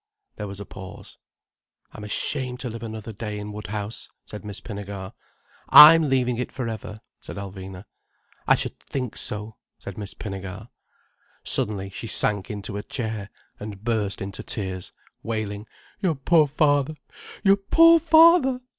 There was a pause. "I'm ashamed to live another day in Woodhouse," said Miss Pinnegar. "I'm leaving it for ever," said Alvina. "I should think so," said Miss Pinnegar. Suddenly she sank into a chair, and burst into tears, wailing: "Your poor father! Your poor father!"